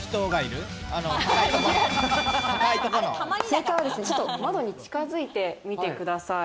正解はちょっと窓に近づいてみてください。